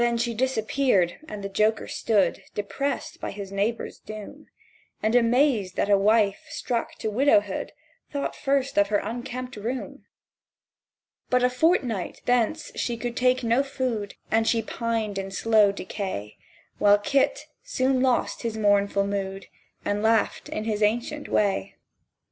She disappeared; and the joker stood Depressed by his neighbour's doom, And amazed that a wife struck to widowhood Thought first of her unkempt room. But a fortnight thence she could take no food, And she pined in a slow decay; While Kit soon lost his mournful mood And laughed in his ancient way.